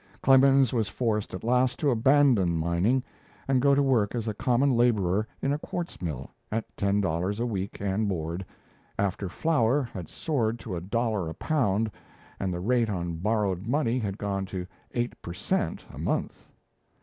Clemens was forced at last to abandon mining, and go to work as a common labourer in a quartz mill, at ten dollars a week and board after flour had soared to a dollar a pound and the rate on borrowed money had gone to eight per cent. a month.